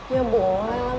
ya boleh lah